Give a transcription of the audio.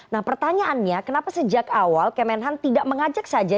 nah pertanyaannya kenapa sejak awal kemenhan tidak mengajak saja